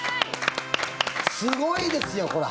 すごいですよ、これ。